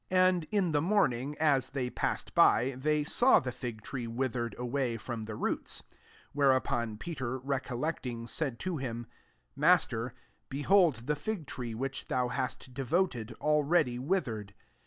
£0 And in the morning, as they passed by, they saw the fig tree withered away from the roots. 21 Whereupon Peter re collecting, said to him, " Mas ter, behold the fig tree, which thou hast devoted, already with ered."